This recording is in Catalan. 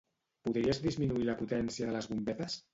Podries disminuir la potència de les bombetes?